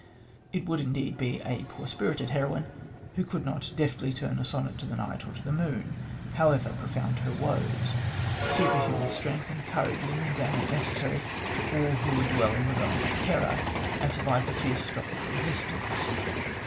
It would indeed be a poor spirited heroine who could not deftly turn a sonnet to night or to the moon, however profound her woes. Superhuman strength and courage is an endowment necessary to all who would dwell in the realms of terror and survive the fierce struggle for existence.